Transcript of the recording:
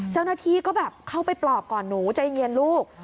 เจ้าหน้าที่ก็แบบเข้าไปปลอบก่อนหนูใจเย็นลูก